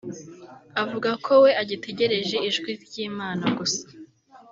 avuga ko we agitereje ijwi ry’Imana gusa